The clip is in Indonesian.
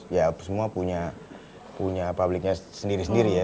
ya semua punya publiknya sendiri sendiri ya